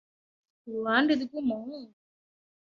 ku ruhande rw’umuhungu,